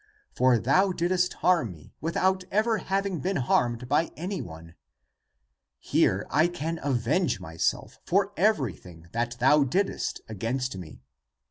For thou didst harm me, without ever having been harmed by any one. Here I can avenge myself for everything that thou didst against me.